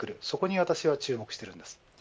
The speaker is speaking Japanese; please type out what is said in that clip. そこに私は注目しています。